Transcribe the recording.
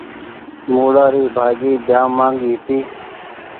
موُڙآ ري ڀآجي جآم ماگي هيتي۔